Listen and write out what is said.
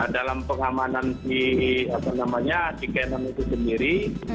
dalam pengamanan di apa namanya di canon itu sendiri